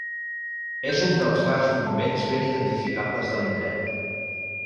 És un dels rars monuments ben identificables de l'indret.